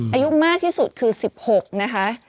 อายุมากที่สุดคือ๑๖นะคะ